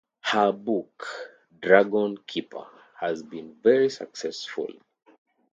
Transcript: Her book "Dragonkeeper" has been very successful.